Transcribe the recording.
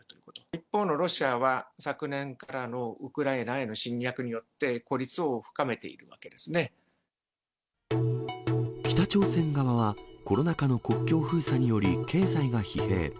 一方のロシアは、昨年からのウクライナへの侵略によって、孤立を深めているわけで北朝鮮側は、コロナ禍の国境封鎖により経済が疲弊。